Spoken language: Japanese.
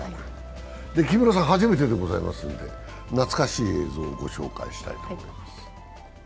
木村さん、初めてでございますんで懐かしい映像をご覧いただきたいと思います。